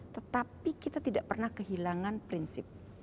tetapi kita tidak pernah kehilangan prinsip